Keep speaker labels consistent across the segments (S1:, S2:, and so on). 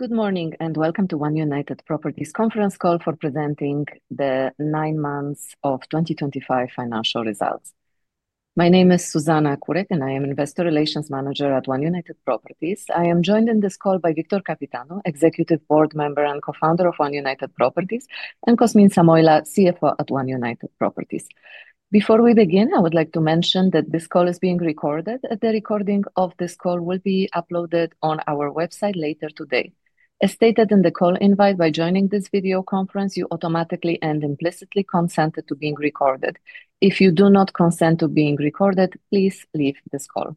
S1: Good morning and welcome to One United Properties' Conference Call for Presenting the Nine Months of 2025 Financial Results. My name is Zuzanna Kurek, and I am Investor Relations Manager at One United Properties. I am joined in this call by Victor Căpitanu, Executive Board Member and Co-founder of One United Properties, and Cosmin Samoilă, CFO at One United Properties. Before we begin, I would like to mention that this call is being recorded, and the recording of this call will be uploaded on our website later today. As stated in the Call Invite, by joining this video conference, you automatically and implicitly consented to being recorded. If you do not consent to being recorded, please leave this call.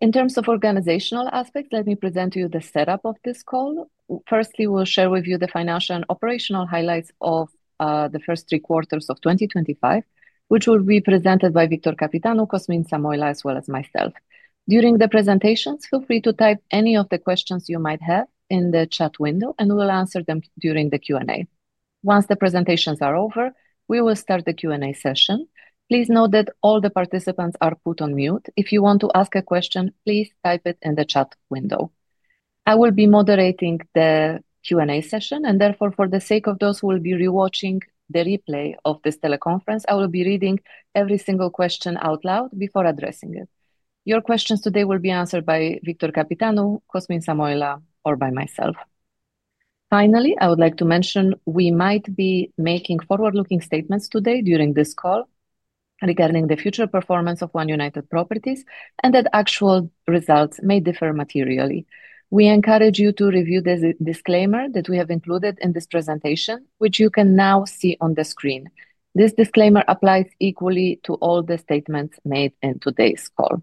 S1: In terms of organizational aspects, let me present to you the setup of this call. Firstly, we'll share with you the financial and operational highlights of the First Three Quarters of 2025, which will be presented by Victor Căpitanu, Cosmin Samoilă, as well as myself. During the presentations, feel free to type any of the questions you might have in the Chat Window, and we'll answer them during the Q&A. Once the presentations are over, we will start the Q&A Session. Please note that all the participants are put on mute. If you want to ask a question, please type it in the Chat Window. I will be moderating the Q&A Session, and therefore, for the sake of those who will be rewatching the replay of this Teleconference, I will be reading every single question out loud before addressing it. Your questions today will be answered by Victor Căpitanu, Cosmin Samoilă, or by myself. Finally, I would like to mention we might be making Forward-looking Statements today during this call regarding the future performance of One United Properties and that actual results may differ materially. We encourage you to review the disclaimer that we have included in this presentation, which you can now see on the screen. This disclaimer applies equally to all the statements made in today's call.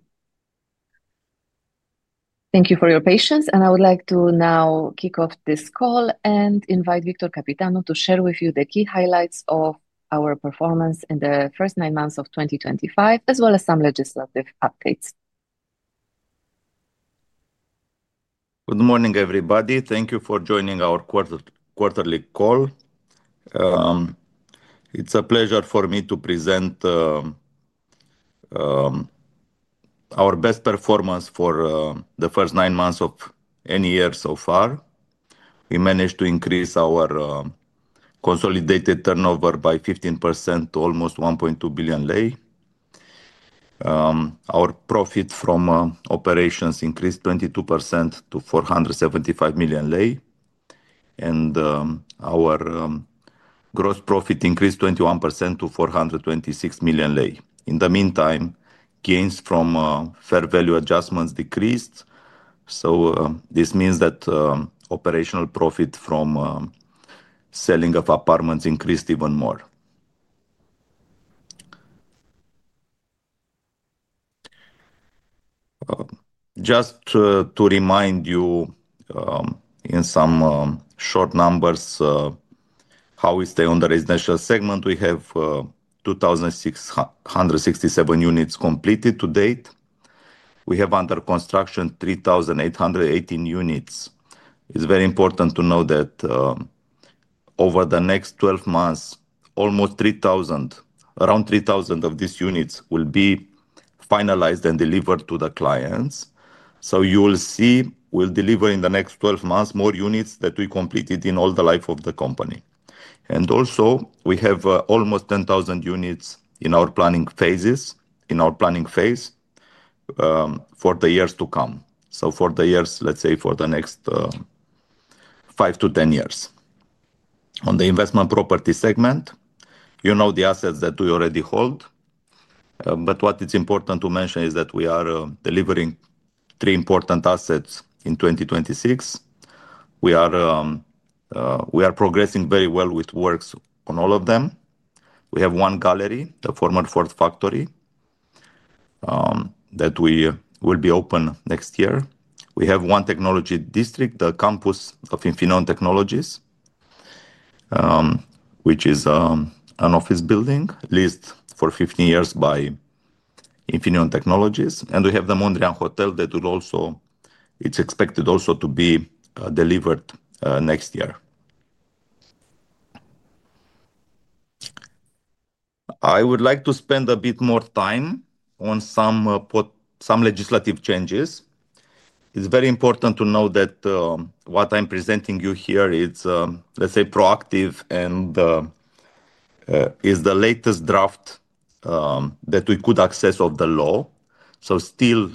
S1: Thank you for your patience, and I would like to now kick off this call and invite Victor Căpitanu to share with you the key highlights of our performance in the First Nine Months of 2025, as well as some legislative updates.
S2: Good morning, everybody. Thank you for joining our quarterly call. It's a pleasure for me to present our best performance for the first nine months of any year so far. We managed to increase our consolidated turnover by 15% to almost RON 1.2 billion. Our profit from operations increased 22% to RON 475 million, and our gross profit increased 21% to RON 426 million. In the meantime, gains from fair value adjustments decreased, so this means that operational profit from selling of apartments increased even more. Just to remind you in some short numbers how we stay on the residential segment, we have 2,667 units completed to date. We have under construction 3,818 units. It's very important to know that over the Next 12 Months, almost 3,000, around 3,000 of these units will be finalized and delivered to the clients. You will see we'll deliver in the Next 12 Months more units than we completed in all the life of the company. Also, we have almost 10,000 units in our planning phases for the years to come, for the next 5 to 10 years. On the investment property segment, you know the assets that we already hold, but what is important to mention is that we are delivering three important assets in 2026. We are progressing very well with works on all of them. We have One Gallery, the former Ford factory, that will be open next year. We have one Technology District, the campus of Infineon Technologies, which is an office building leased for 15 years by Infineon Technologies. We have the Mondrian Hotel that is expected also to be delivered next year. I would like to spend a bit more time on some legislative changes. It's very important to know that what I'm presenting you here is, let's say, proactive and is the latest draft that we could access of the law. Still,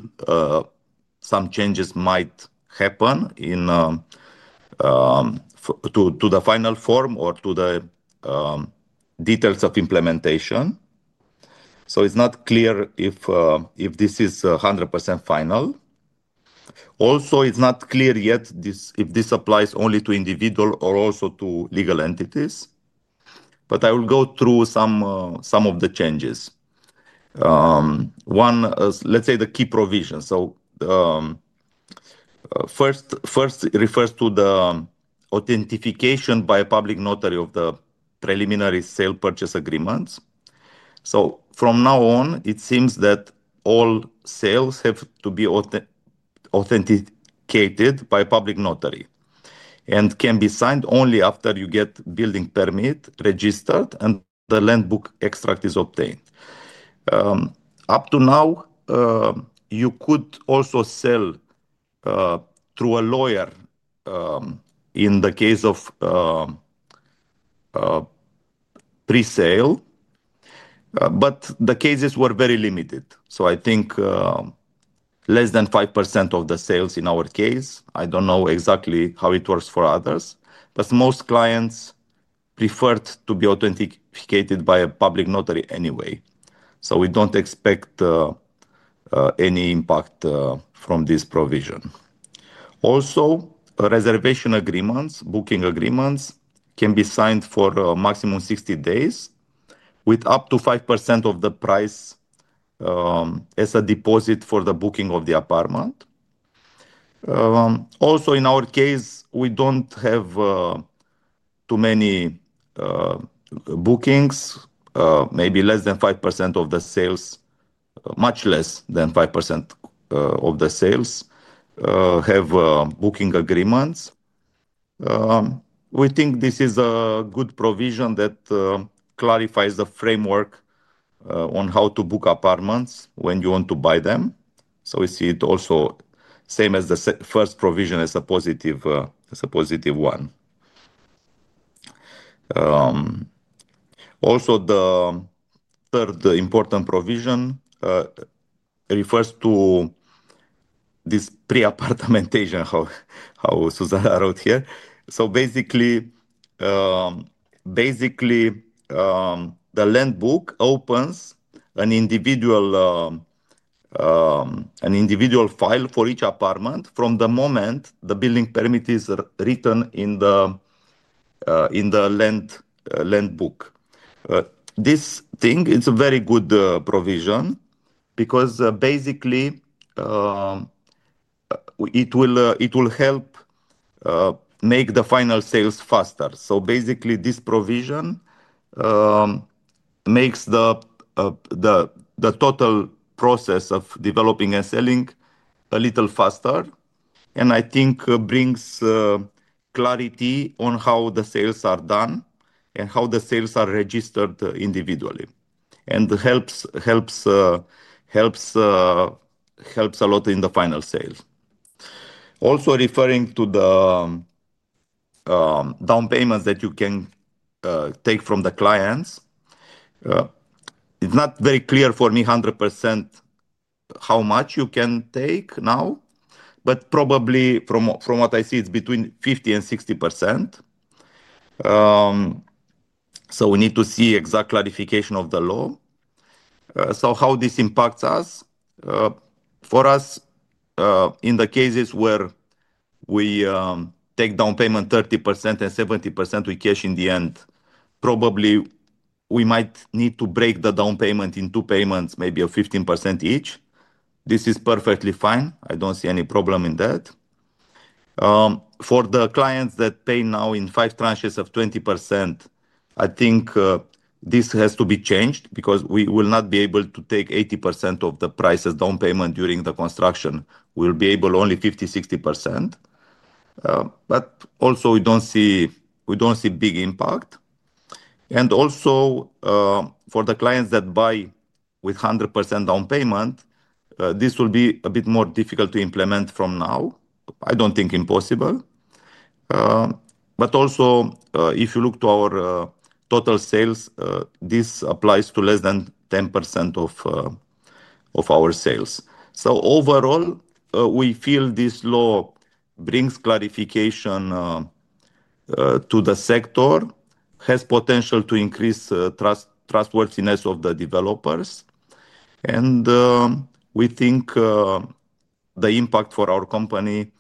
S2: some changes might happen to the final form or to the details of implementation. It's not clear if this is 100% final. Also, it's not clear yet if this applies only to individual or also to legal entities. I will go through some of the changes. One, let's say the key provisions. First refers to the authentification by a Public Notary of the preliminary sale purchase agreements. From now on, it seems that all sales have to be authenticated by a Public Notary and can be signed only after you get Building Permit registered and the Land Book extract is obtained. Up to now, you could also sell through a lawyer in the case of pre-sale, but the cases were very limited. I think less than 5% of the sales in our case. I don't know exactly how it works for others, but most clients preferred to be authenticated by a Public Notary anyway. We don't expect any impact from this provision. Also, reservation agreements, booking agreements can be signed for a maximum of 60 days with up to 5% of the price as a deposit for the booking of the apartment. In our case, we don't have too many bookings, maybe less than 5% of the sales, much less than 5% of the sales have booking agreements. We think this is a good provision that clarifies the framework on how to book apartments when you want to buy them. We see it also same as the first provision as a positive one. Also, the third important provision refers to this pre-apartmentation, how Zuzanna wrote here. Basically, the Land Book opens an individual file for each apartment from the moment the Building Permit is written in the Land Book. This thing, it's a very good provision because basically it will help make the final sales faster. Basically, this provision makes the total process of developing and selling a little faster, and I think brings clarity on how the sales are done and how the sales are registered individually and helps a lot in the final sale. Also referring to the down payments that you can take from the clients, it's not very clear for me 100% how much you can take now, but probably from what I see, it's between 50-60%. We need to see exact clarification of the law. How does this impact us? For us, in the cases where we take down payment 30% and 70%, we cash in the end, probably we might need to break the down payment into payments, maybe of 15% each. This is perfectly fine. I do not see any problem in that. For the clients that pay now in five tranches of 20%, I think this has to be changed because we will not be able to take 80% of the price as down payment during the construction. We will be able only 50-60%. Also, we do not see big impact. Also, for the clients that buy with 100% down payment, this will be a bit more difficult to implement from now. I do not think impossible. If you look to our total sales, this applies to less than 10% of our sales. Overall, we feel this law brings clarification to the sector, has potential to increase trustworthiness of the developers, and we think the impact for our company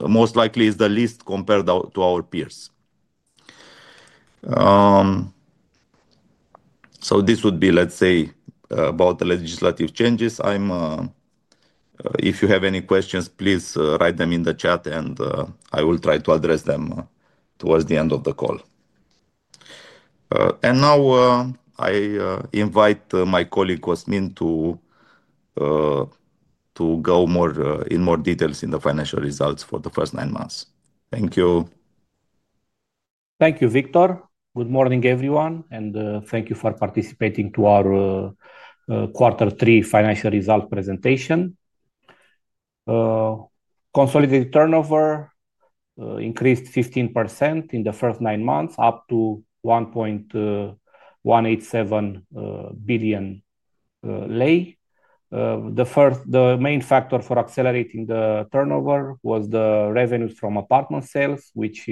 S2: most likely is the least compared to our peers. This would be, let's say, about the legislative changes. If you have any questions, please write them in the Chat, and I will try to address them towards the end of the call. I invite my colleague Cosmin to go in more details in the financial results for the first nine months. Thank you.
S3: Thank you, Victor. Good morning, everyone, and thank you for participating to our quarter three financial result presentation. Consolidated turnover increased 15% in the first nine months up to RON 1.187 billion. The main factor for accelerating the turnover was the revenues from apartment sales, which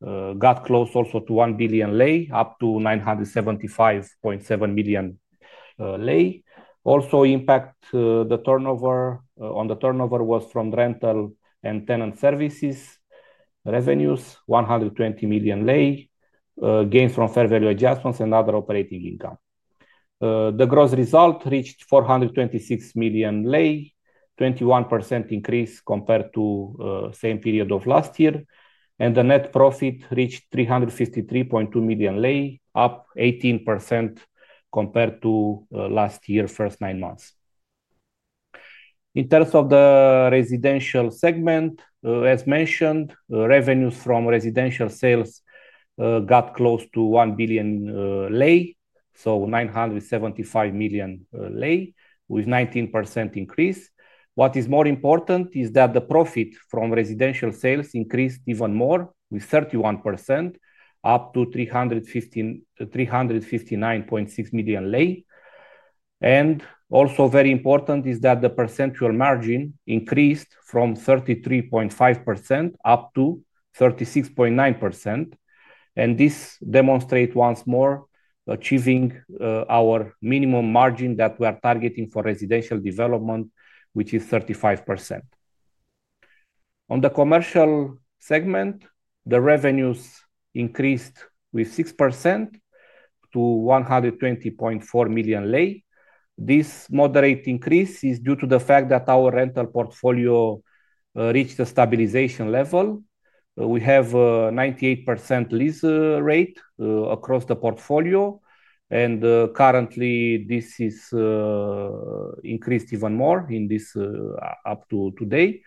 S3: got close also to RON 1 billion, up to RON 975.7 million. Also, impact on the turnover was from rental and tenant services revenues, RON 120 million, gains from fair value adjustments, and other operating income. The gross result reached RON 426 million, 21% increase compared to the same period of last year, and the net profit reached RON 353.2 million, up 18% compared to last year, first nine months. In terms of the residential segment, as mentioned, revenues from residential sales got close to RON 1 billion, so RON 975 million with 19% increase. What is more important is that the profit from residential sales increased even more with 31%, up to RON 359.6 million. Also, very important is that the percentual margin increased from 33.5% up to 36.9%. This demonstrates once more achieving our minimum margin that we are targeting for residential development, which is 35%. On the commercial segment, the revenues increased with 6% to RON 120.4 million. This moderate increase is due to the fact that our rental portfolio reached a stabilization level. We have a 98% lease rate across the portfolio, and currently, this has increased even more up to today.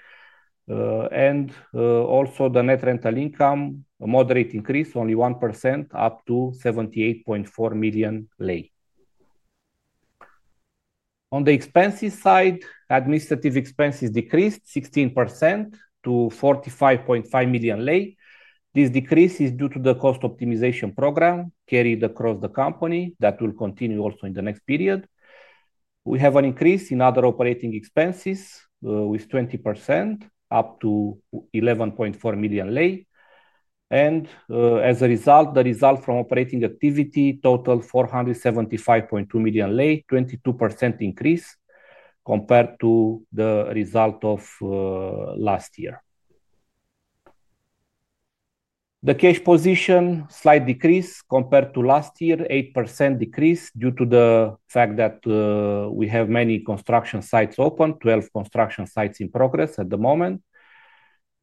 S3: Also, the net rental income, a moderate increase, only 1% up to RON 78.4 million. On the expenses side, administrative expenses decreased 16% to RON 45.5 million. This decrease is due to the cost optimization program carried across the company that will continue also in the next period. We have an increase in other operating expenses with 20% up to RON 11.4 million. As a result, the result from operating activity totaled RON 475.2 million, 22% increase compared to the result of last year. The cash position slight decrease compared to last year, 8% decrease due to the fact that we have many construction sites open, 12 construction sites in progress at the moment.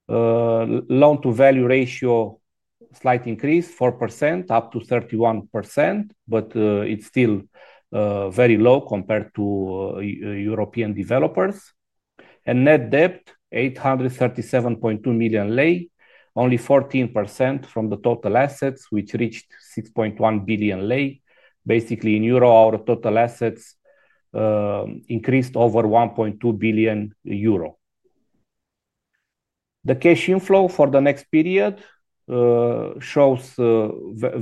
S3: Loan to value ratio slight increase, 4% up to 31%, but it's still very low compared to European developers. Net debt, RON 837.2 million, only 14% from the total assets, which reached RON 6.1 billion. Basically, in euro, our total assets increased over 1.2 billion euro. The cash inflow for the next period shows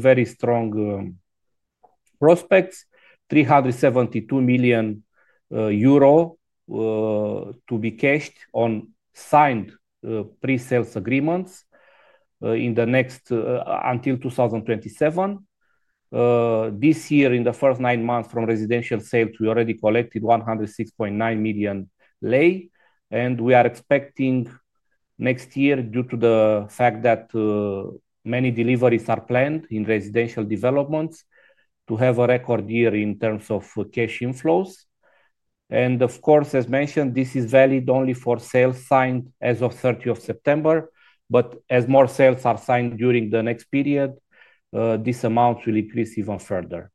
S3: very strong prospects, 372 million euro to be cashed on signed pre-sales agreements in the next until 2027. This year, in the first nine months from residential sales, we already collected RON 106.9 million, and we are expecting next year, due to the fact that many deliveries are planned in residential developments, to have a record year in terms of cash inflows. Of course, as mentioned, this is valid only for sales signed as of 30th of September, but as more sales are signed during the next period, this amount will increase even further.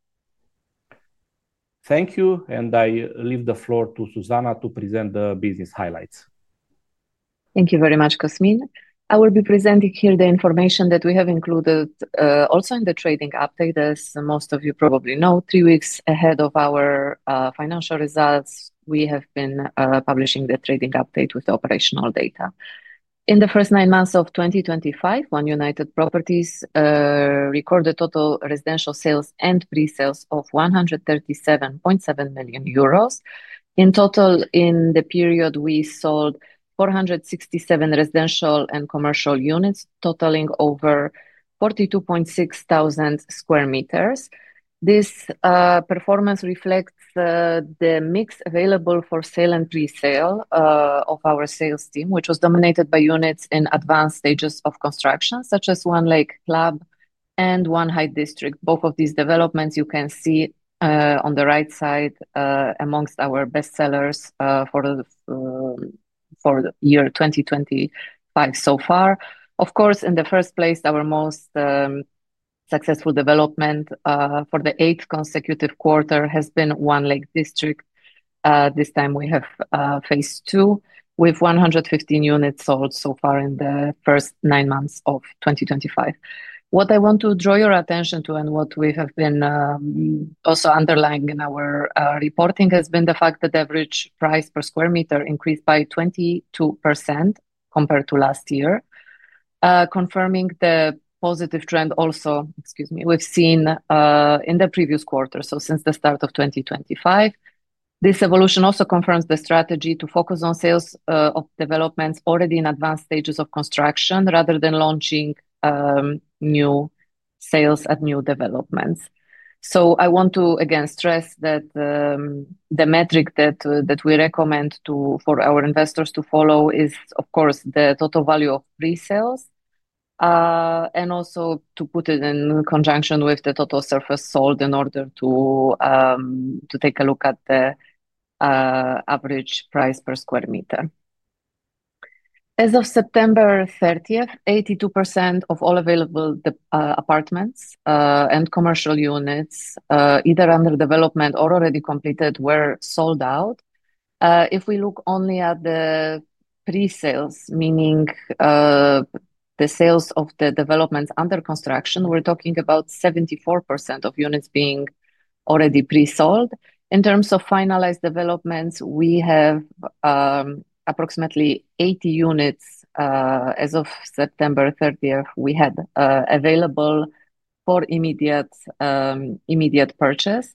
S3: Thank you, and I leave the floor to Zuzanna to present the business highlights.
S1: Thank you very much, Cosmin. I will be presenting here the information that we have included also in the trading update. As most of you probably know, three weeks ahead of our financial results, we have been publishing the trading update with the operational data. In the First Nine Months of 2025, One United Properties recorded total residential sales and pre-sales of 137.7 million euros. In total, in the period, we sold 467 residential and commercial units, totaling over 42.6 thousand sq m. This performance reflects the mix available for sale and pre-sale of our sales team, which was dominated by units in advanced stages of construction, such as One Lake Club and One High District. Both of these developments you can see on the right side amongst our best sellers for the year 2025 so far. Of course, in the first place, our most successful development for the eighth consecutive quarter has been One Lake District. This time, we have phase two with 115 units sold so far in the First Nine Months of 2025. What I want to draw your attention to and what we have been also underlying in our reporting has been the fact that the average price per square meter increased by 22% compared to last year, confirming the positive trend also, excuse me, we've seen in the previous quarter, so since the start of 2025. This evolution also confirms the strategy to focus on sales of developments already in advanced stages of construction rather than launching new sales at new developments. I want to again stress that the metric that we recommend for our investors to follow is, of course, the total value of pre-sales and also to put it in conjunction with the total surface sold in order to take a look at the average price per square meter. As of September 30th, 82% of all available apartments and commercial units, either under development or already completed, were sold out. If we look only at the pre-sales, meaning the sales of the developments under construction, we're talking about 74% of units being already pre-sold. In terms of finalized developments, we have approximately 80 units as of September 30th we had available for immediate purchase.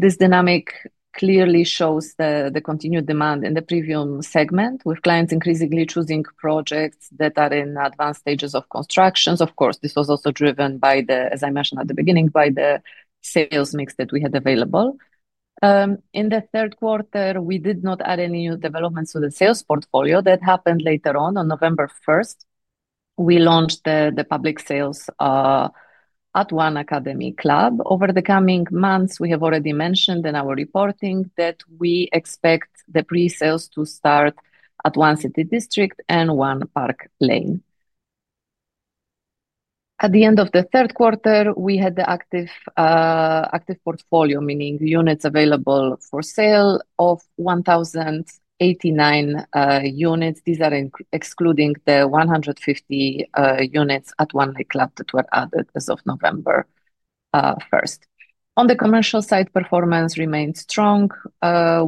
S1: This dynamic clearly shows the continued demand in the premium segment with clients increasingly choosing projects that are in advanced stages of construction. Of course, this was also driven by the, as I mentioned at the beginning, by the sales mix that we had available. In the third quarter, we did not add any new developments to the sales portfolio. That happened later on. On November 1st, we launched the public sales at One Academy Club. Over the coming months, we have already mentioned in our reporting that we expect the pre-sales to start at One City District and One Park Lane. At the end of the third quarter, we had the active portfolio, meaning units available for sale of 1,089 units. These are excluding the 150 units at One Lake Club that were added as of November 1st. On the commercial side, performance remained strong.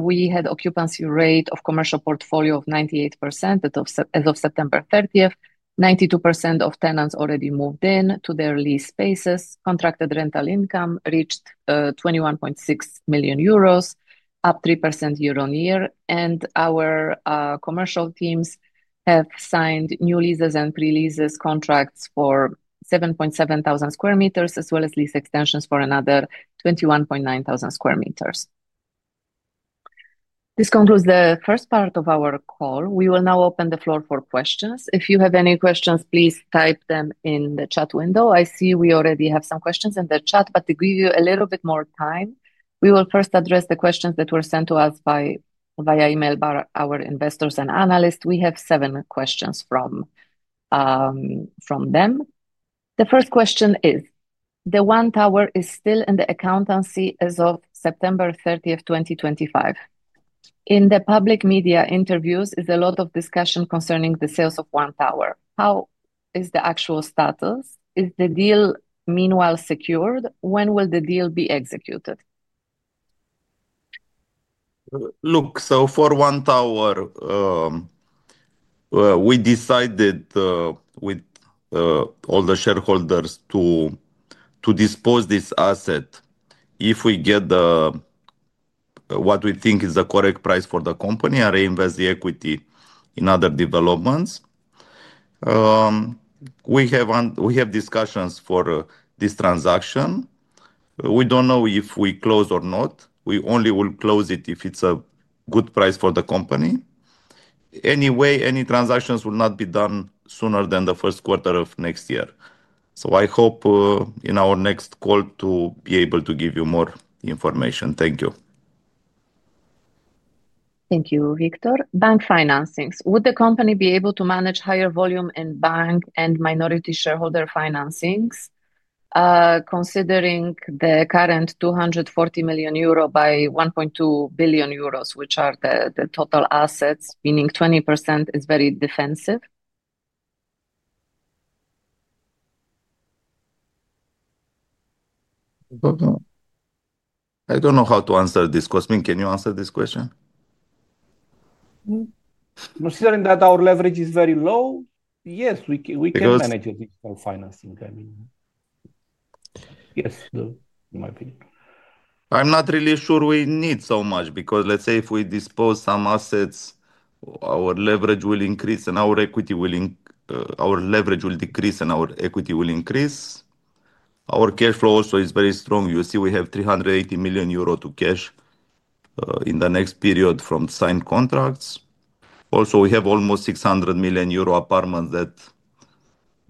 S1: We had an occupancy rate of the commercial portfolio of 98% as of September 30th. 92% of tenants already moved in to their lease spaces. Contracted rental income reached 21.6 million euros, up 3% year on year. Our commercial teams have signed new leases and pre-leases contracts for 7.7 thousand sq m, as well as lease extensions for another 21.9 thousand sq m. This concludes the first part of our call. We will now open the floor for questions. If you have any questions, please type them in the Chat Window. I see we already have some questions in the Chat, but to give you a little bit more time, we will first address the questions that were sent to us via email by our investors and analysts. We have seven questions from them. The first question is, the One Tower is still in the accountancy as of September 30th, 2025. In the public media interviews, there is a lot of discussion concerning the sales of One Tower. How is the actual status? Is the deal meanwhile secured? When will the deal be executed?
S2: Look, so for One Tower, we decided with all the shareholders to dispose of this asset if we get what we think is the correct price for the company and reinvest the equity in other developments. We have discussions for this transaction. We do not know if we close or not. We only will close it if it is a good price for the company. Anyway, any transactions will not be done sooner than the first quarter of next year. I hope in our next call to be able to give you more information. Thank you.
S1: Thank you, Victor. Bank financings. Would the company be able to manage higher volume in bank and minority shareholder financings, considering the current 240 million euro by 1.2 billion euros, which are the total assets, meaning 20% is very defensive?
S2: I don't know how to answer this. Cosmin, can you answer this question?
S3: Considering that our leverage is very low, yes, we can manage additional financing. I mean, yes, in my opinion.
S2: I'm not really sure we need so much because let's say if we dispose of some assets, our leverage will decrease and our equity will increase. Our cash flow also is very strong. You see we have 380 million euro to cash in the next period from signed contracts. Also, we have almost 600 million euro apartments that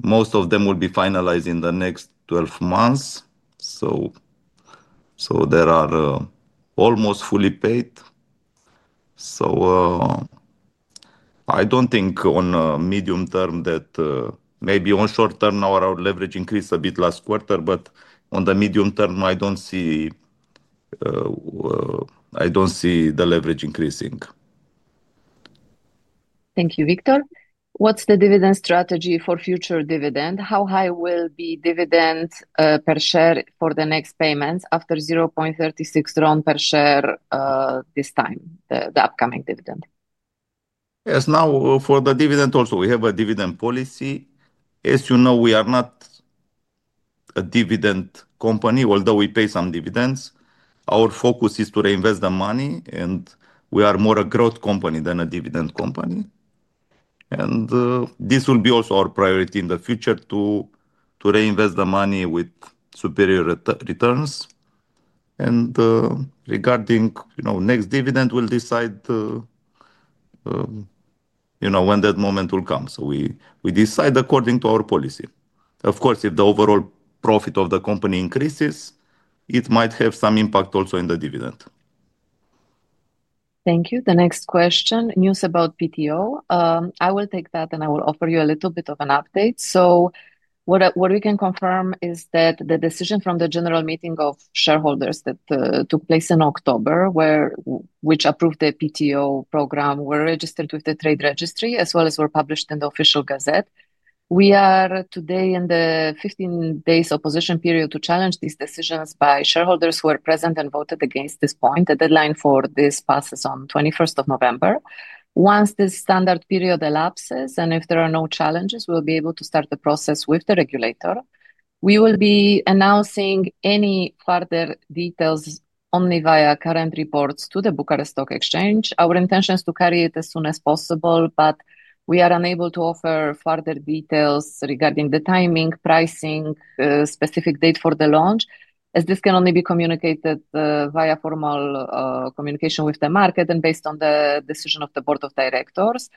S2: most of them will be finalized in the Next 12 Months. They are almost fully paid. I don't think on a medium term that maybe on short term our leverage increased a bit last quarter, but on the medium term, I don't see, I don't see the leverage increasing.
S1: Thank you, Victor. What's the dividend strategy for future dividend? How high will the dividend per share be for the next payments after RON 0.36 per share this time, the upcoming dividend?
S2: Yes. Now, for the dividend also, we have a dividend policy. As you know, we are not a dividend company, although we pay some dividends. Our focus is to reinvest the money, and we are more a growth company than a dividend company. This will be also our priority in the future to reinvest the money with superior returns. Regarding next dividend, we'll decide when that moment will come. We decide according to our policy. Of course, if the overall profit of the company increases, it might have some impact also in the dividend.
S1: Thank you. The next question, news about PTO. I will take that and I will offer you a little bit of an update. What we can confirm is that the decision from the General Meeting of Shareholders that took place in October, which approved the PTO Program, was registered with the Trade Registry as well as was published in the Official Gazette. We are today in the 15 days opposition period to challenge these decisions by shareholders who were present and voted against this point. The deadline for this passes on 21 November. Once this standard period elapses and if there are no challenges, we will be able to start the process with the regulator. We will be announcing any further details only via current reports to the Bucharest Stock Exchange. Our intention is to carry it as soon as possible, but we are unable to offer further details regarding the timing, pricing, specific date for the launch, as this can only be communicated via formal communication with the market and based on the decision of the board of directors.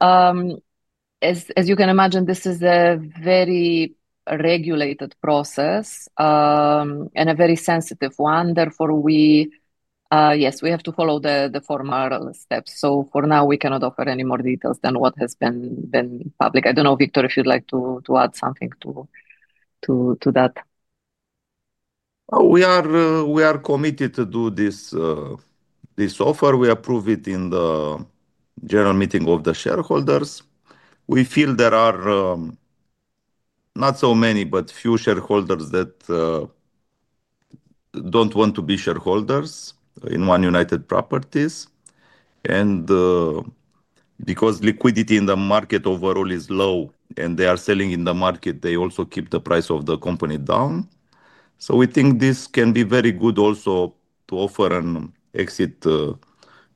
S1: As you can imagine, this is a very regulated process and a very sensitive one. Therefore, yes, we have to follow the formal steps. For now, we cannot offer any more details than what has been public. I don't know, Victor, if you'd like to add something to that.
S2: We are committed to do this offer. We approve it in the general meeting of the shareholders. We feel there are not so many, but few shareholders that do not want to be shareholders in One United Properties. Because liquidity in the market overall is low and they are selling in the market, they also keep the price of the company down. We think this can be very good also to offer an exit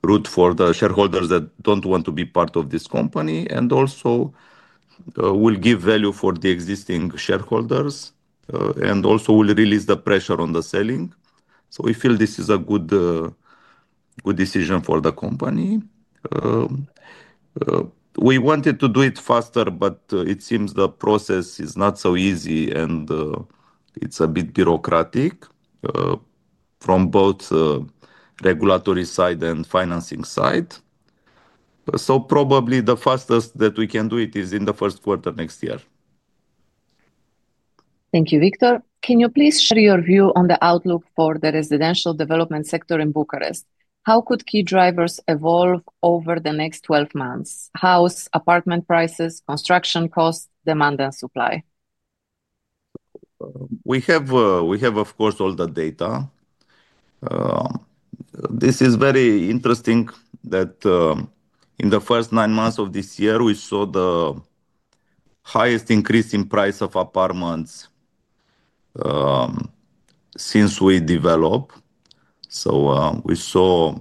S2: route for the shareholders that do not want to be part of this company and also will give value for the existing shareholders and also will release the pressure on the selling. We feel this is a good decision for the company. We wanted to do it faster, but it seems the process is not so easy and it is a bit bureaucratic from both regulatory side and financing side. Probably the fastest that we can do it is in the first quarter next year.
S1: Thank you, Victor. Can you please share your view on the outlook for the residential development sector in Bucharest? How could key drivers evolve over the Next 12 Months? House, apartment prices, construction costs, demand, and supply?
S2: We have, of course, all the data. This is very interesting that in the first nine months of this year, we saw the highest increase in price of apartments since we developed. So we saw,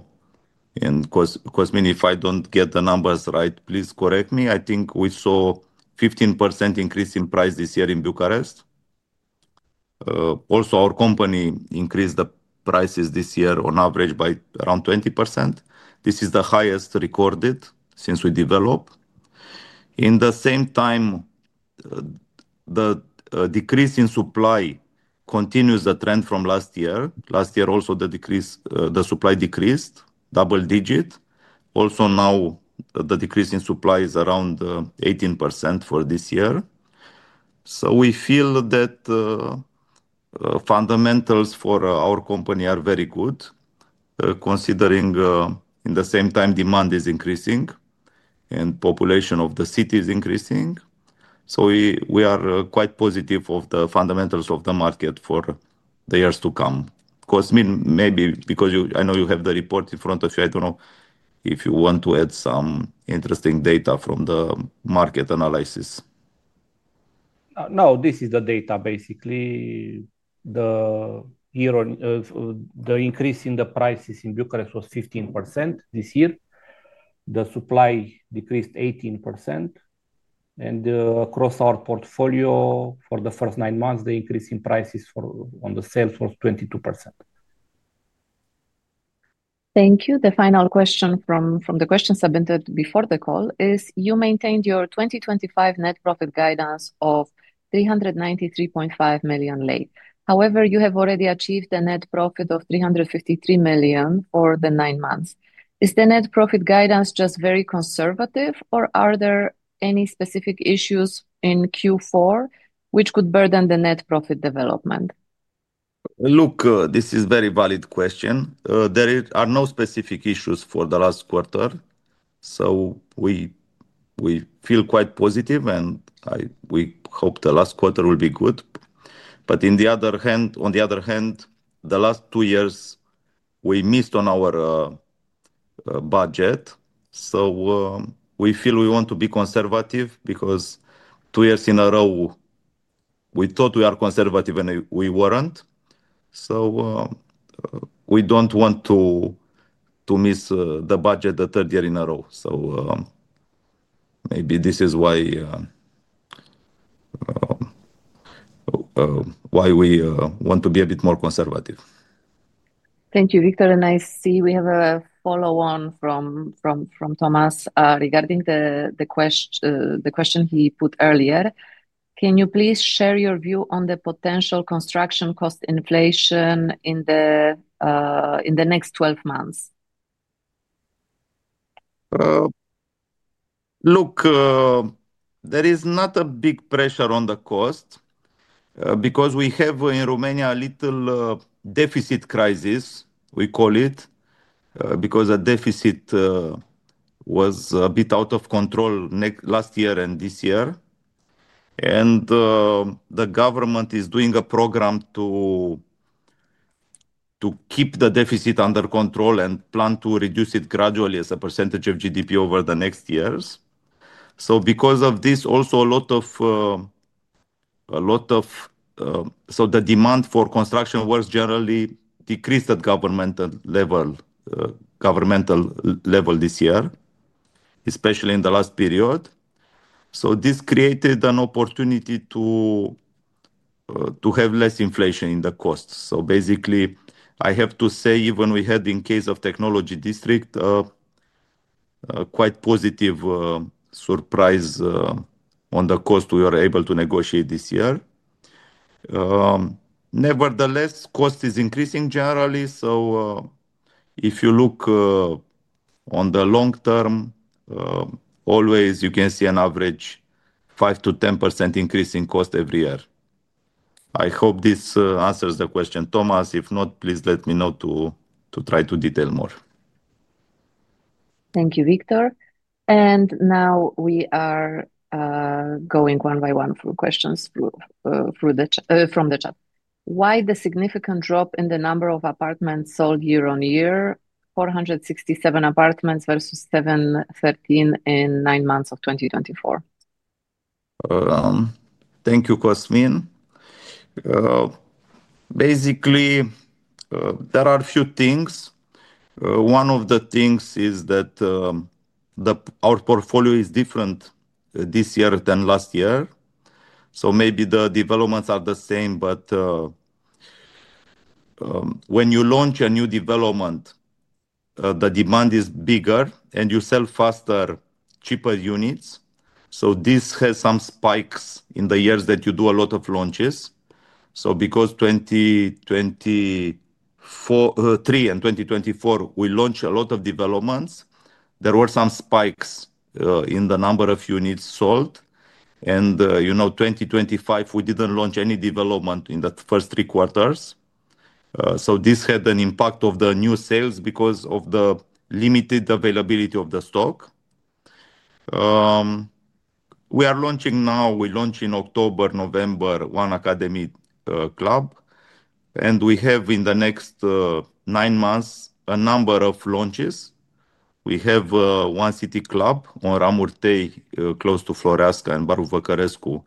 S2: and Cosmin, if I do not get the numbers right, please correct me. I think we saw a 15% increase in price this year in Bucharest. Also, our company increased the prices this year on average by around 20%. This is the highest recorded since we developed. In the same time, the decrease in supply continues the trend from last year. Last year, also the decrease, the supply decreased, double-digit. Also now, the decrease in supply is around 18% for this year. So we feel that fundamentals for our company are very good, considering in the same time demand is increasing and the population of the city is increasing. We are quite positive about the fundamentals of the market for the years to come. Cosmin, maybe because I know you have the report in front of you, I do not know if you want to add some interesting data from the market analysis.
S3: Now, this is the data, basically. The increase in the prices in Bucharest was 15% this year. The supply decreased 18%. Across our portfolio for the first nine months, the increase in prices on the sales was 22%.
S1: Thank you. The final question from the questions submitted before the call is, you maintained your 2025 net profit guidance of RON 393.5 million. However, you have already achieved a net profit of RON 353 million for the nine months. Is the net profit guidance just very conservative, or are there any specific issues in Q4 which could burden the net profit development?
S2: Look, this is a very valid question. There are no specific issues for the last quarter. We feel quite positive, and we hope the last quarter will be good. On the other hand, the last two years, we missed on our budget. We feel we want to be conservative because two years in a row, we thought we were conservative and we were not. We do not want to miss the budget the third year in a row. Maybe this is why we want to be a bit more conservative.
S1: Thank you, Victor. I see we have a follow-on from Thomas regarding the question he put earlier. Can you please share your view on the potential construction cost inflation in the Next 12 Months?
S2: Look, there is not a big pressure on the cost because we have in Romania a little deficit crisis, we call it, because the deficit was a bit out of control last year and this year. The government is doing a program to keep the deficit under control and plan to reduce it gradually as a percentage of GDP over the next years. Because of this, also a lot of, so the demand for construction works generally decreased at governmental level this year, especially in the last period. This created an opportunity to have less inflation in the costs. Basically, I have to say, even we had in case of Technology District, quite positive surprise on the cost we were able to negotiate this year. Nevertheless, cost is increasing generally. If you look on the long term, always you can see an average 5%-10% increase in cost every year. I hope this answers the question. Thomas, if not, please let me know to try to detail more.
S1: Thank you, Victor. We are going one by one through questions from the Chat. Why the significant drop in the number of apartments sold year on year, 467 apartments versus 713 in nine months of 2024?
S2: Thank you, Cosmin. Basically, there are a few things. One of the things is that our portfolio is different this year than last year. Maybe the developments are the same, but when you launch a new development, the demand is bigger and you sell faster, cheaper units. This has some spikes in the years that you do a lot of launches. Because 2023 and 2024, we launched a lot of developments, there were some spikes in the number of units sold. In 2025, we did not launch any development in the first three quarters. This had an impact on the new sales because of the limited availability of the stock. We are launching now, we launched in October, November, One Academy Club. We have in the next nine months a number of launches. We have One City Club on Ramurtei, close to Floreasca and Baru Văcărescu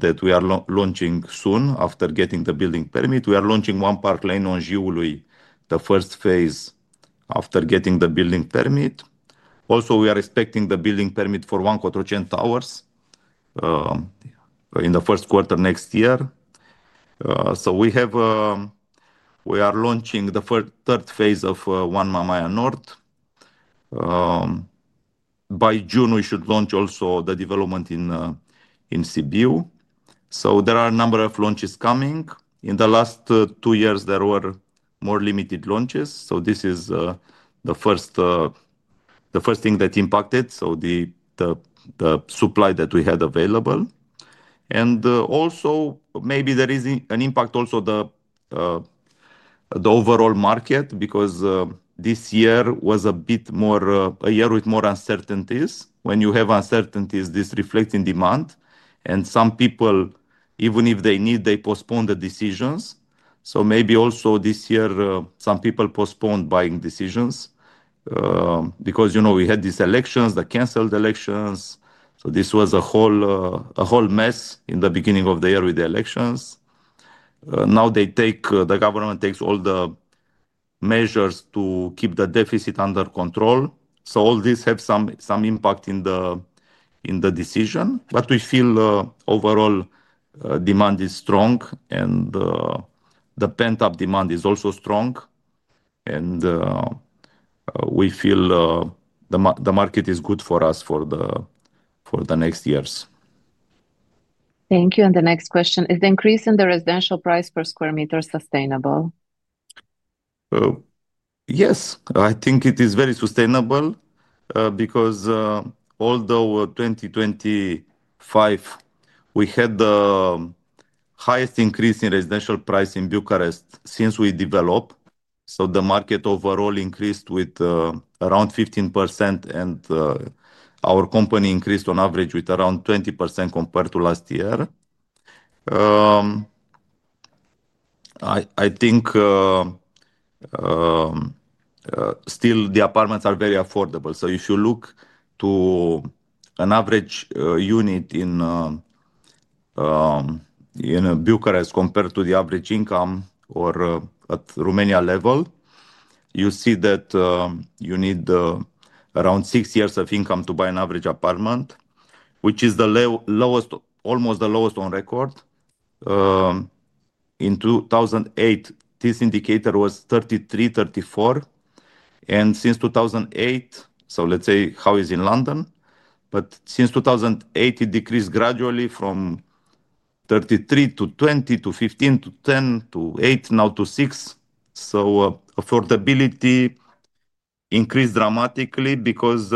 S2: that we are launching soon after getting the Building permit. We are launching One Park Lane on Jiului, the first phase after getting the Building Permit. Also, we are expecting the Building Permit for One Cotroceni Towers in the first quarter next year. We are launching the third phase of One Mamaia North. By June, we should launch also the development in Sibiu. There are a number of launches coming. In the last two years, there were more limited launches. This is the first thing that impacted the supply that we had available. Also, maybe there is an impact also on the overall market because this year was a bit more a year with more uncertainties. When you have uncertainties, this reflects in demand. Some people, even if they need, they postpone the decisions. Maybe also this year, some people postponed buying decisions because we had these elections, the canceled elections. This was a whole mess in the beginning of the year with the elections. Now the government takes all the measures to keep the deficit under control. All this has some impact in the decision. We feel overall demand is strong and the pent-up demand is also strong. We feel the market is good for us for the next years.
S1: Thank you. The next question, is the increase in the residential price per square meter sustainable?
S2: Yes, I think it is very sustainable because although 2025, we had the highest increase in residential price in Bucharest since we developed. The market overall increased with around 15% and our company increased on average with around 20% compared to last year. I think still the apartments are very affordable. If you look to an average unit in Bucharest compared to the average income or at Romania level, you see that you need around six years of income to buy an average apartment, which is almost the lowest on record. In 2008, this indicator was 33, 34. Since 2008, it decreased gradually from 33 to 20 to 15 to 10 to 8, now to 6. Affordability increased dramatically because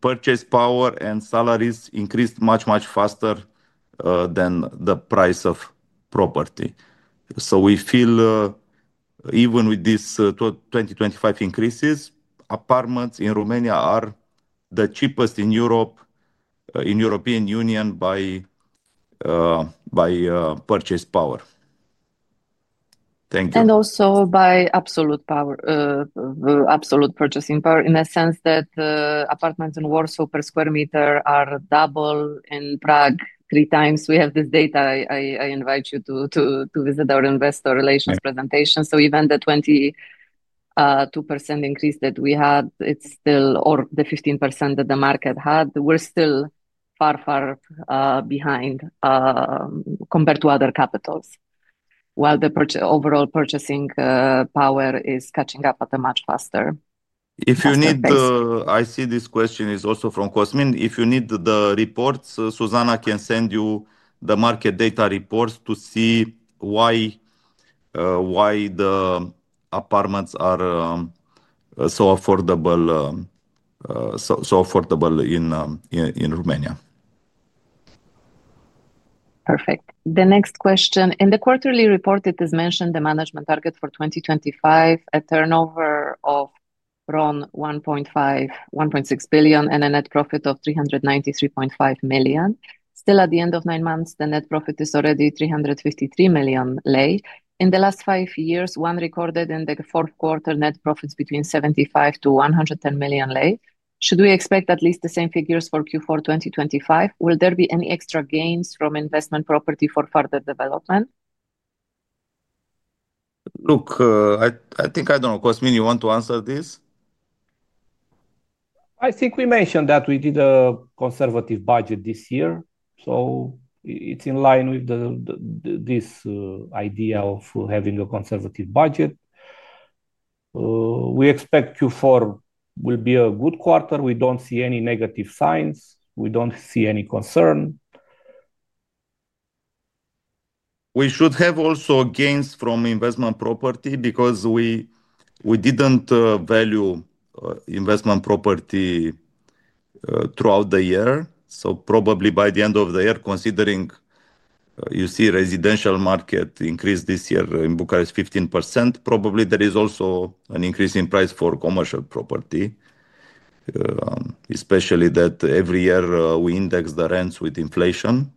S2: purchase power and salaries increased much, much faster than the price of property. We feel even with these 2025 increases, apartments in Romania are the cheapest in European Union by purchase power. Thank you.
S1: Also by absolute purchasing power in the sense that apartments in Warsaw per square meter are double in Prague, three times. We have this data. I invite you to visit our investor relations presentation. Even the 22% increase that we had, or the 15% that the market had, we are still far, far behind compared to other capitals. While the overall purchasing power is catching up at a much faster rate.
S2: If you need, I see this question is also from Cosmin. If you need the reports, Zuzanna can send you the market data reports to see why the apartments are so affordable in Romania.
S1: Perfect. The next question. In the quarterly report, it is mentioned the management target for 2025, a turnover of around RON 1.5-1.6 billion, and a net profit of RON 393.5 million. Still, at the end of nine months, the net profit is already RON 353 million. In the last five years, One recorded in the fourth quarter net profits between RON 75-110 million. Should we expect at least the same figures for Q4 2025? Will there be any extra gains from Investment Property for further development?
S2: Look, I think I don't know. Cosmin, you want to answer this?
S3: I think we mentioned that we did a conservative budget this year. So it's in line with this idea of having a conservative budget. We expect Q4 will be a good quarter. We don't see any negative signs. We don't see any concern.
S2: We should have also gains from Investment Property because we did not value Investment Property throughout the year. Probably by the end of the year, considering you see residential market increase this year in Bucharest 15%, probably there is also an increase in price for commercial property, especially that every year we index the rents with inflation.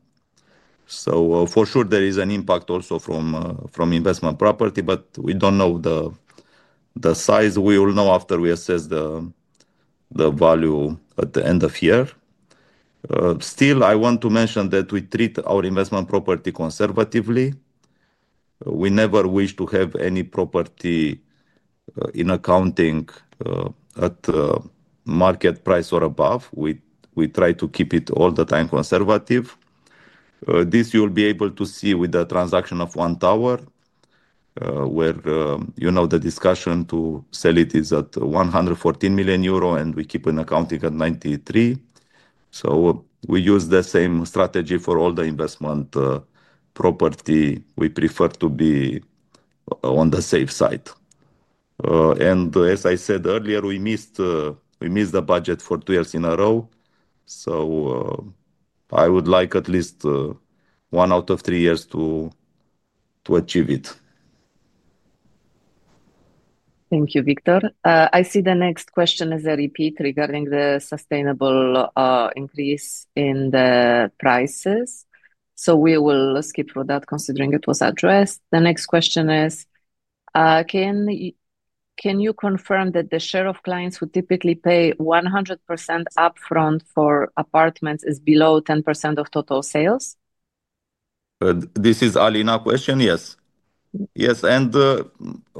S2: For sure, there is an impact also from investment property, but we do not know the size. We will know after we assess the value at the end of year. Still, I want to mention that we treat our Investment Property conservatively. We never wish to have any property in accounting at market price or above. We try to keep it all the time conservative. This you'll be able to see with the transaction of One Tower where the discussion to sell it is at 114 million euro and we keep in accounting at 93 million. We use the same strategy for all the Investment Property. We prefer to be on the safe side. As I said earlier, we missed the budget for two years in a row. I would like at least one out of three years to achieve it.
S1: Thank you, Victor. I see the next question is a repeat regarding the sustainable increase in the prices. We will skip through that considering it was addressed. The next question is, can you confirm that the share of clients who typically pay 100% upfront for apartments is below 10% of total sales?
S2: This is Alina's question. Yes. Yes.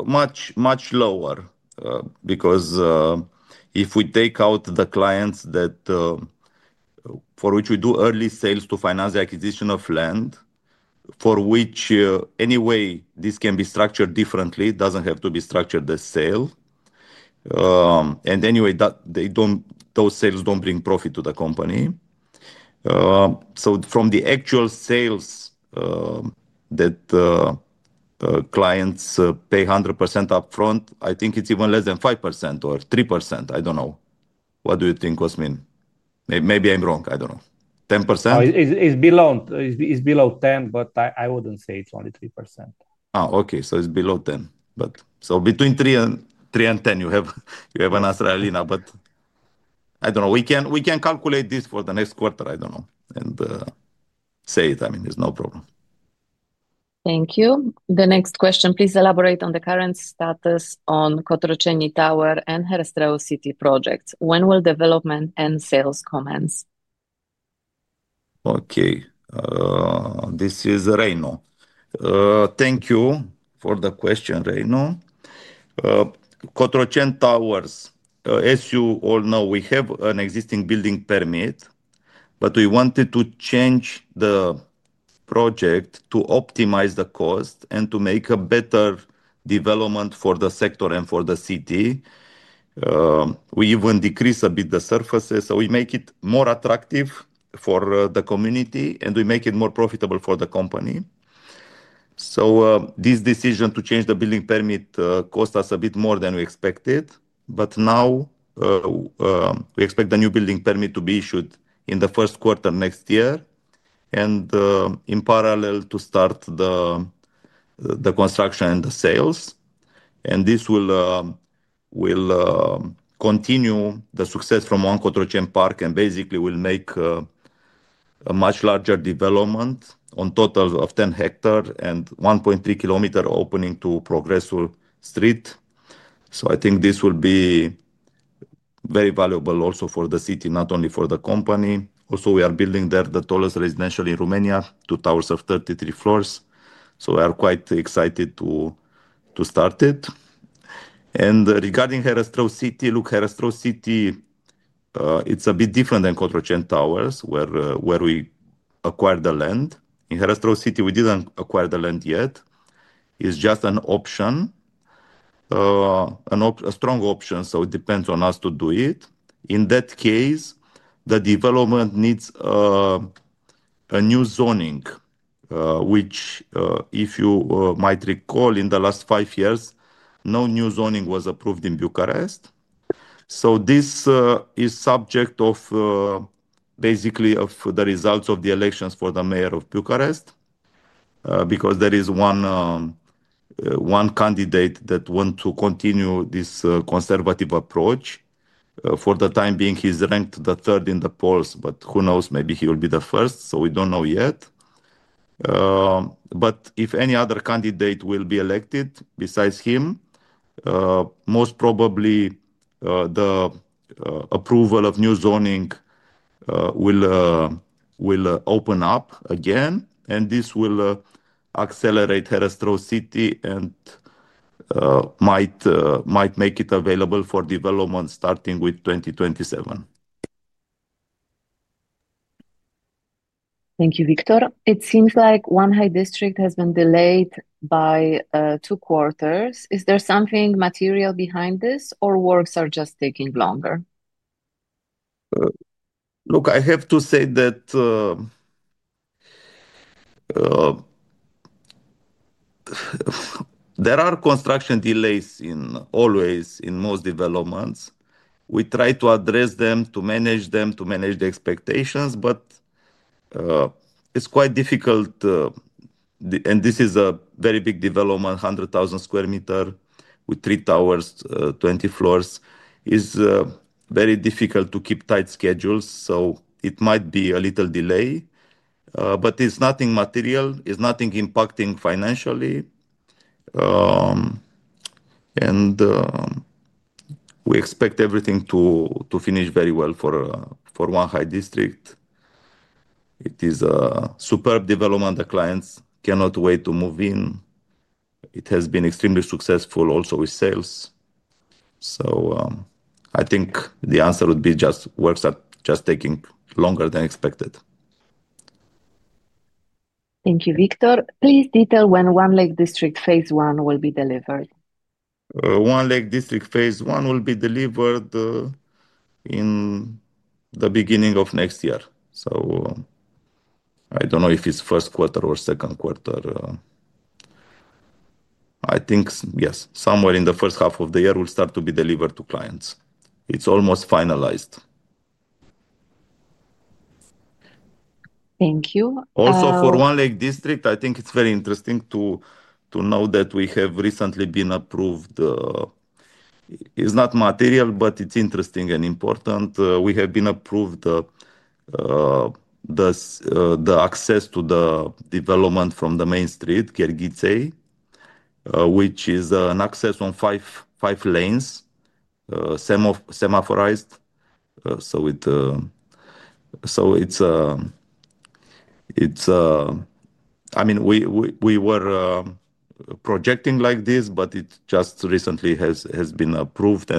S2: Much, much lower because if we take out the clients for which we do early sales to finance the acquisition of land, for which anyway this can be structured differently, it does not have to be structured the sale. Anyway, those sales do not bring profit to the company. From the actual sales that clients pay 100% upfront, I think it is even less than 5% or 3%. I do not know. What do you think, Cosmin? Maybe I am wrong. I do not know. 10%?
S3: It's below 10%, but I wouldn't say it's only 3%.
S2: Oh, okay. It's below 10. Between 3 and 10, you have an answer, Alina. I don't know. We can calculate this for the next quarter. I don't know. I mean, it's no problem.
S1: Thank you. The next question. Please elaborate on the current status on Cotroceni Tower and Herăstrău City projects. When will development and sales commence?
S2: Okay. This is Reino. Thank you for the question, Reino. Cotroceni Towers, as you all know, we have an existing Building Permit, but we wanted to change the project to optimize the cost and to make a better development for the sector and for the city. We even decreased a bit the surfaces. We make it more attractive for the community and we make it more profitable for the company. This decision to change the Building Permit cost us a bit more than we expected. Now we expect the new Building Permit to be issued in the first quarter next year and in parallel to start the construction and the sales. This will continue the success from One Cotroceni Park and basically will make a much larger development on total of 10 hectares and 1.3 kilometers opening to Progressul Street. I think this will be very valuable also for the city, not only for the company. Also, we are building there the tallest residential in Romania, two towers of 33 floors. We are quite excited to start it. Regarding Herăstrău City, look, Herăstrău City, it's a bit different than Cotroceni Towers where we acquired the land. In Herăstrău City, we didn't acquire the land yet. It's just an option, a strong option. It depends on us to do it. In that case, the development needs a new zoning, which if you might recall in the last five years, no new zoning was approved in Bucharest. This is subject to basically the results of the elections for the mayor of Bucharest because there is one candidate that wants to continue this conservative approach. For the time being, he's ranked third in the polls, but who knows? Maybe he will be the first. We do not know yet. If any other candidate will be elected besides him, most probably the approval of new zoning will open up again. This will accelerate Herăstrău City and might make it available for development starting with 2027.
S1: Thank you, Victor. It seems like One High District has been delayed by two quarters. Is there something material behind this or works are just taking longer?
S2: Look, I have to say that there are construction delays always in most developments. We try to address them, to manage them, to manage the expectations, but it's quite difficult. This is a very big development, 100,000 sq m with three towers, 20 floors. It's very difficult to keep tight schedules. It might be a little delay, but it's nothing material. It's nothing impacting financially. We expect everything to finish very well for One High District. It is a superb development. The clients cannot wait to move in. It has been extremely successful also with sales. I think the answer would be just works are just taking longer than expected.
S1: Thank you, Victor. Please detail when One Lake District Phase One will be delivered.
S2: One Lake District Phase One will be delivered in the beginning of next year. I don't know if it's first quarter or second quarter. I think, yes, somewhere in the first half of the year will start to be delivered to clients. It's almost finalized.
S1: Thank you.
S2: Also for One Lake District, I think it's very interesting to know that we have recently been approved. It's not material, but it's interesting and important. We have been approved the access to the development from the main street, Chergiței, which is an access on five lanes, semaphorized. I mean, we were projecting like this, but it just recently has been approved.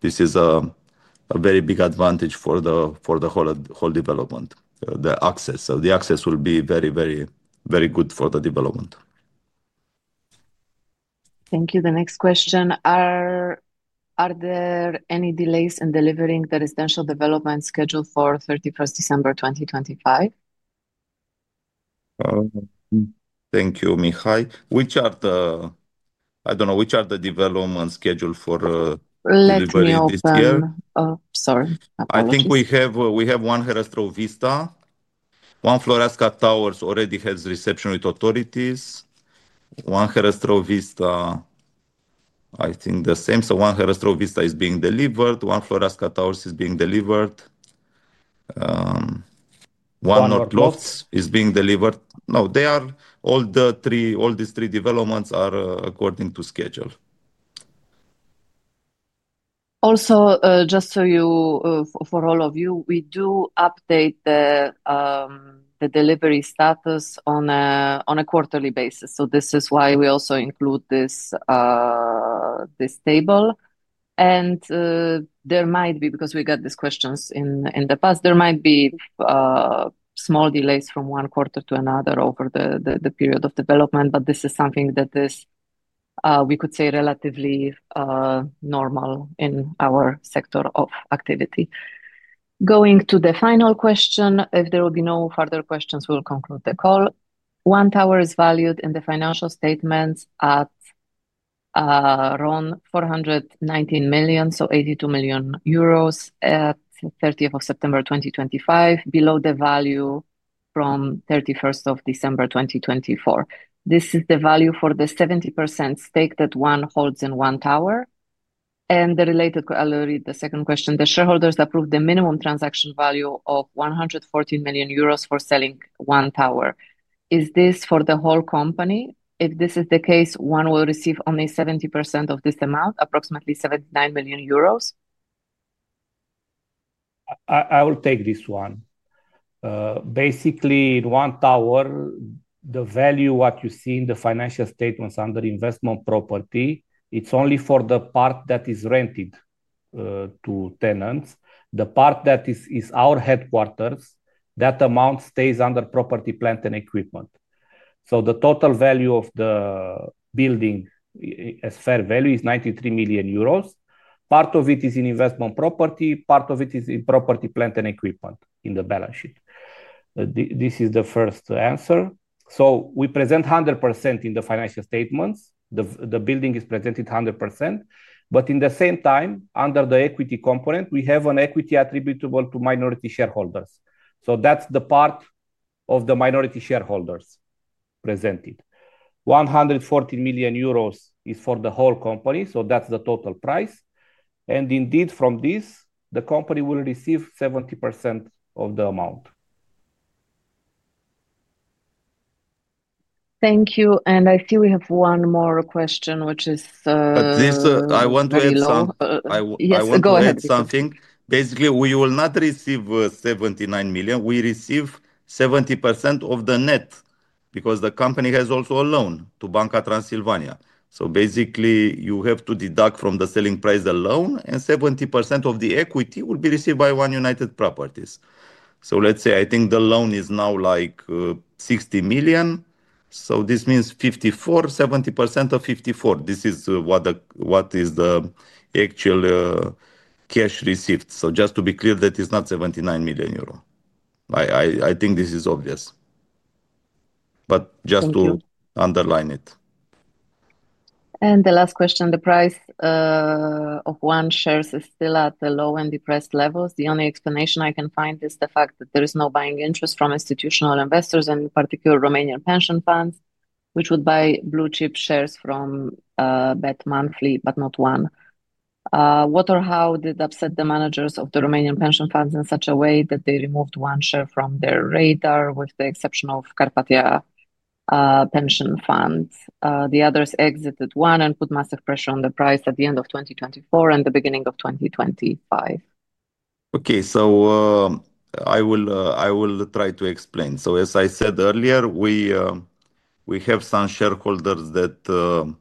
S2: This is a very big advantage for the whole development, the access. The access will be very, very, very good for the development.
S1: Thank you. The next question. Are there any delays in delivering the residential development schedule for 31st December 2025?
S2: Thank you, Mihai. Which are the, I don't know, which are the developments scheduled for Libernii Ovstan?
S1: Let me also—sorry.
S2: I think we have One Herăstrău Vista. One Floreasca Towers already has reception with authorities. One Herăstrău Vista, I think the same. So One Herăstrău Vista is being delivered. One Floreasca Towers is being delivered. One Nordklofts is being delivered. No, they are all the three, all these three developments are according to schedule.
S1: Also, just so you, for all of you, we do update the delivery status on a quarterly basis. This is why we also include this table. There might be, because we got these questions in the past, there might be small delays from one quarter to another over the period of development, but this is something that is, we could say, relatively normal in our sector of activity. Going to the final question, if there will be no further questions, we'll conclude the call. One Tower is valued in the financial statements at around RON 419 million, so 82 million euros at 30th of September 2025, below the value from 31st of December 2024. This is the value for the 70% stake that One holds in One Tower. The related, I'll read the second question. The shareholders approved the minimum transaction value of 114 million euros for selling One Tower. Is this for the whole company? If this is the case, One will receive only 70% of this amount, approximately 79 million euros.
S3: I will take this one. Basically, in One Tower, the value what you see in the financial statements under Investment Property, it's only for the part that is rented to tenants. The part that is our headquarters, that amount stays under Property, Plant, and Equipment. The total value of the building as fair value is 93 million euros. Part of it is in Investment Property. Part of it is in Property, Plant, and Equipment in the balance sheet. This is the first answer. We present 100% in the financial statements. The building is presented 100%. At the same time, under the Equity Component, we have an equity attributable to Minority Shareholders. That is the part of the Minority Shareholders presented. 114 million euros is for the whole company. That is the total price. Indeed, from this, the company will receive 70% of the amount.
S1: Thank you. I see we have one more question, which is.
S2: I want to add something.
S1: Yes, go ahead.
S2: Basically, we will not receive 79 million. We receive 70% of the net because the company has also a loan to Banca Transilvania. Basically, you have to deduct from the selling price a loan, and 70% of the equity will be received by One United Properties. Let's say, I think the loan is now like 60 million. This means 54, 70% of 54. This is what is the actual cash received. Just to be clear, that is not 79 million euro. I think this is obvious, but just to underline it.
S1: The last question, the price of One shares is still at the low and depressed levels. The only explanation I can find is the fact that there is no buying interest from institutional investors, and in particular, Romanian pension funds, which would buy blue chip shares from BET Monthly, but not One. What or how did it upset the managers of the Romanian pension funds in such a way that they removed One share from their radar with the exception of Carpathia Pension Fund? The others exited One and put massive pressure on the price at the end of 2024 and the beginning of 2025.
S2: Okay. I will try to explain. As I said earlier, we have some shareholders that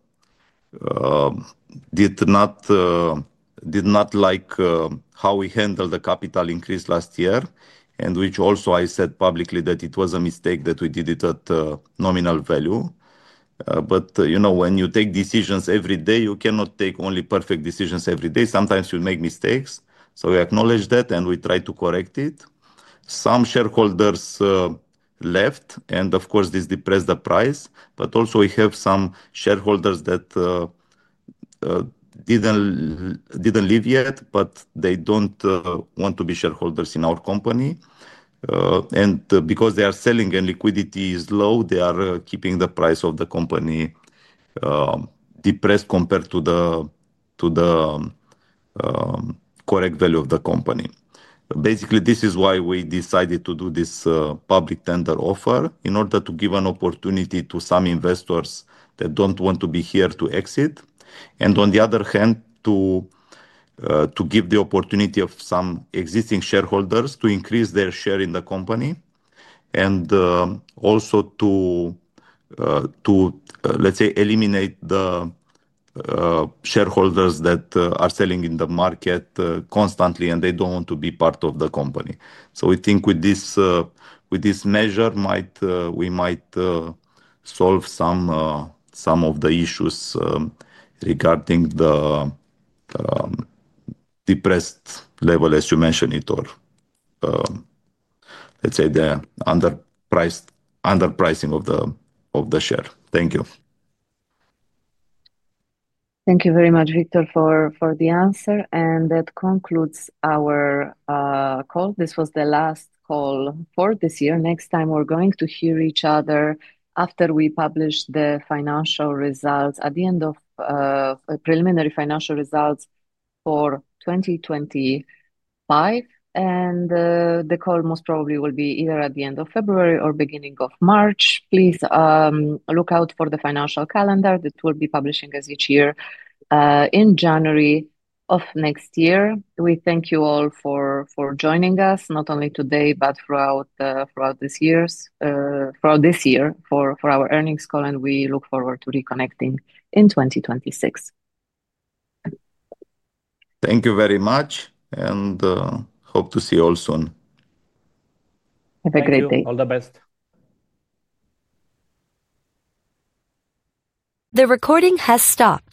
S2: did not like how we handled the capital increase last year, and which also I said publicly that it was a mistake that we did it at nominal value. When you take decisions every day, you cannot take only perfect decisions every day. Sometimes you make mistakes. We acknowledge that and we try to correct it. Some shareholders left, and of course, this depressed the price. We also have some shareholders that did not leave yet, but they do not want to be shareholders in our company. Because they are selling and liquidity is low, they are keeping the price of the company depressed compared to the correct value of the company. Basically, this is why we decided to do this public tender offer in order to give an opportunity to some investors that do not want to be here to exit. On the other hand, to give the opportunity of some existing shareholders to increase their share in the company and also to, let's say, eliminate the shareholders that are selling in the market constantly and they do not want to be part of the company. We think with this measure, we might solve some of the issues regarding the depressed level, as you mentioned it, or let's say the underpricing of the share. Thank you.
S1: Thank you very much, Victor, for the answer. That concludes our call. This was the last call for this year. Next time, we're going to hear each other after we publish the financial results at the end of preliminary financial results for 2025. The call most probably will be either at the end of February or beginning of March. Please look out for the financial calendar that we'll be publishing as each year in January of next year. We thank you all for joining us, not only today, but throughout this year, for our earnings call. We look forward to reconnecting in 2026.
S2: Thank you very much. Hope to see you all soon.
S1: Have a great day.
S2: Thank you. All the best.
S1: The recording has stopped.